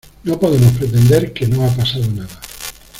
No podemos pretender que no ha pasado nada.